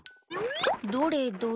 どれどれ？